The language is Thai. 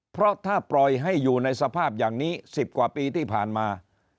เพราะถ้าปล่อยให้อยู่ในสภาพอย่างนี้๑๐กว่าปีที่ผ่านมา